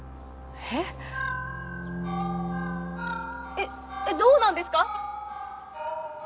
えっどうなんですか？